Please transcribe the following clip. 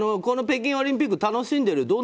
北京オリンピック楽しんでる？